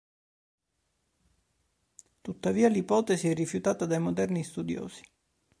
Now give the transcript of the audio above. Tuttavia l'ipotesi è rifiutata dai moderni studiosi.